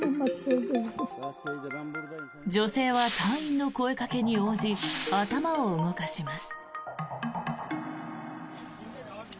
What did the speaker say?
女性は隊員の声掛けに応じ頭を動かします。